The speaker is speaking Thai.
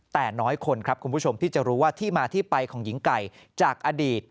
แต่น้อยคนครับคุณผู้ชมที่จะรู้ว่าที่มาที่ไปของหญิงไก่จากอดีต